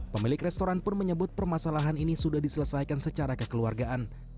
pemilik restoran pun menyebut permasalahan ini sudah diselesaikan secara kekeluargaan